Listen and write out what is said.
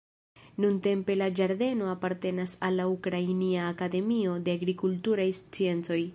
Nuntempe la ĝardeno apartenas al la Ukrainia Akademio de Agrikulturaj Sciencoj.